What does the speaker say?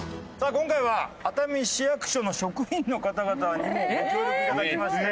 今回は熱海市役所の職員の方々にもご協力頂きまして。